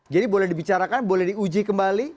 jadi boleh dibicarakan boleh diuji kembali